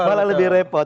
malah lebih repot